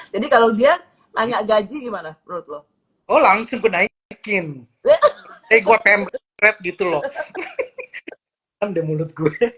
jadi kalau dia tanya gaji gimana menurut lo langsung naikin eh gua pm red gitu loh andemulut